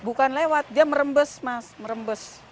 bukan lewat dia merembes mas merembes